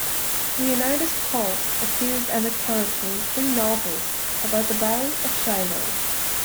Leonidas Polk appears as a character in three novels about the Battle of Shiloh.